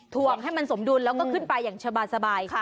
ให้มันสมดุลแล้วก็ขึ้นไปอย่างสบาย